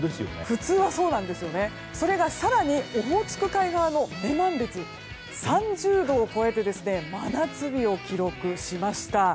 普通はそうですが更にオホーツク海側の女満別では、３０度を超えて真夏日を記録しました。